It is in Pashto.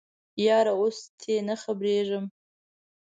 یاره اوس تې نه خبریږم